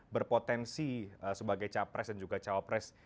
berpotensi sebagai capres dan juga cawapres